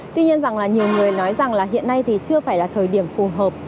tuy nhiên rằng là nhiều người nói rằng là hiện nay thì chưa phải là thời điểm phù hợp